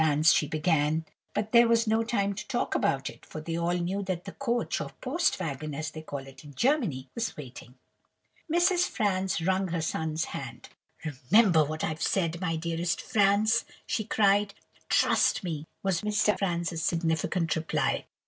she began; but there was no time to talk about it, for they all knew that the coach, or post wagon, as they call it in Germany, was waiting. "Mrs. Franz wrung her son's hand. "'Remember what I've said, my dearest Franz!' she cried. "'Trust me!' was Mr. Franz's significant reply.